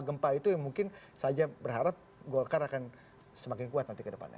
mungkin karena banyak gejolak gempa gempa itu mungkin saja berharap golkar akan semakin kuat nanti ke depannya